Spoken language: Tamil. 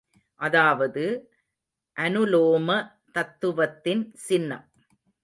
அதாவது, அனுலோம தத்துவத்தின் சின்னம்.